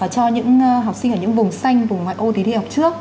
cho những học sinh ở những vùng xanh vùng ngoại ô thì đi học trước